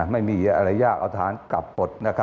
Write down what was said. ไม่มีอะไรยากเอาฐานกลับปลด